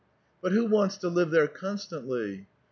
" But who wants to live there constantly?"